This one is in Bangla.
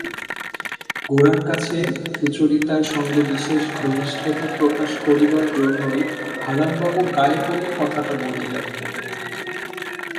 গোরার কাছে সুচরিতার সঙ্গে বিশেষ ঘনিষ্ঠতা প্রকাশ করিবার জন্যই হারানবাবু গায়ে পড়িয়া কথাটা বলিলেন।